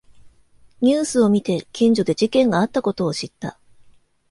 ニュースを見て近所で事件があったことを知った